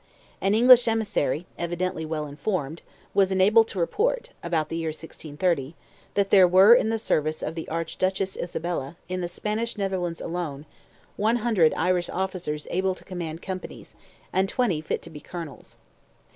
An English emissary, evidently well informed, was enabled to report, about the year 1630, that there were in the service of the Archduchess Isabella, in the Spanish Netherlands alone, "100 Irish officers able to command companies, and 20 fit to be colonels."